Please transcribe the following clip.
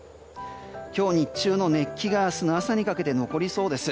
今日日中の熱気が明日の朝にかけて残りそうです。